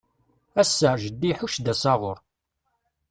Ass-a, jeddi iḥucc-d asaɣur.